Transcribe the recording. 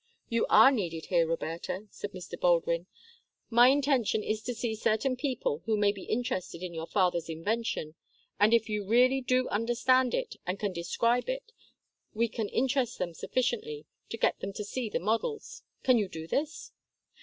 "You are needed here, Roberta," said Mr. Baldwin. "My intention is to see certain people who may be interested in your father's invention, and if you really do understand it and can describe it, we can interest them sufficiently to get them to see the models. Can you do this?"